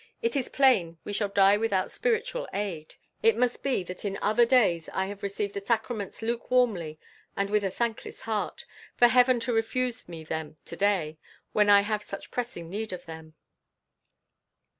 It is plain we shall die without spiritual aid. It must be that in other days I have received the sacraments lukewarmly and with a thankless heart, for Heaven to refuse me them to day, when I have such pressing need of them."